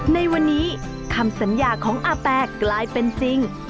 ในวันนี้คำสัญญาของอาแปกลายเป็นจริง